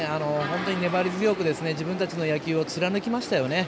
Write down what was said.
粘り強く自分たちの野球を貫きましたよね。